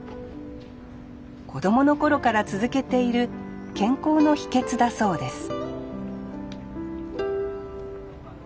子供の頃から続けている健康の秘けつだそうです